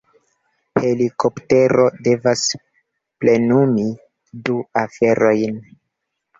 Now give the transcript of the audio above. Helikoptero devas plenumi du aferojn.